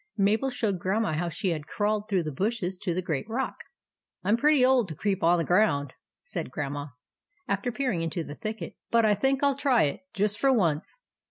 Mabel showed Grandma how she had crawled through the bushes to the great rock. " I 'm pretty old to creep on the ground," said Grandma, after peering into the thicket ;" but I think I '11 try it, just for once."